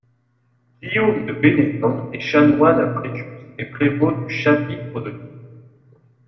Guillaume de Bénévent est chanoine à Fréjus et prévot du chapitre de Digne.